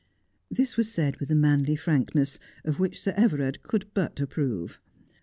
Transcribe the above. This was said with a manly frankness, of which Sir Everard could but approve.